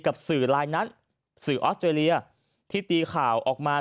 กับสื่อลายนั้นสื่อออสเตรเลียที่ตีข่าวออกมา